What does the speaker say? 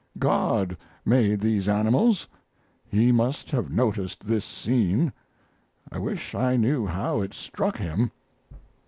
God made these animals. He must have noticed this scene; I wish I knew how it struck Him.